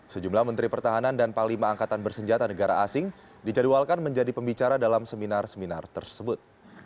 sejumlah menteri pertahanan dan panglima angkatan bersenjata negara asing dijadwalkan menjadi pembicara dalam seminar seminar tersebut